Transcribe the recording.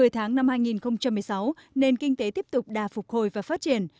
một mươi tháng năm hai nghìn một mươi sáu nền kinh tế tiếp tục đà phục hồi và phát triển